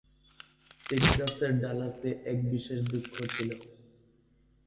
টেক্সাসের ডালাসে এক বিশেষ দুঃখ ছিল।